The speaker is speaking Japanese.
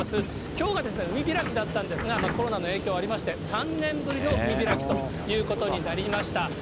きょうが海開きだったんですが、コロナの影響ありまして、３年ぶりの海開きということになりました。